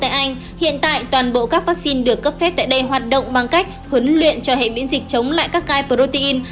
tại anh hiện tại toàn bộ các vaccine được cấp phép tại đây hoạt động bằng cách huấn luyện cho hệ biến dịch chống lại các cai protein